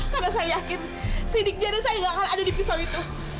karena saya yakin sidik jari saya nggak akan ada di pisau itu